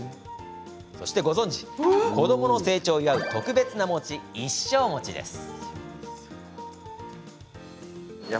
ご存じ、子どもの成長を祝う特別な餅、一升餅です。